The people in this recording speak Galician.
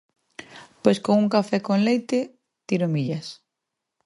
Pois con un café con leite, tiro millas.